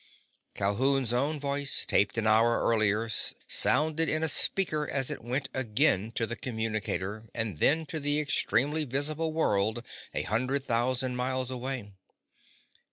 Calhoun's own voice, taped an hour earlier, sounded in a speaker as it went again to the communicator and then to the extremely visible world a hundred thousand miles away.